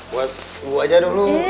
buat bu aja dulu